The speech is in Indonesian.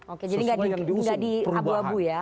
oke jadi gak di abu abu ya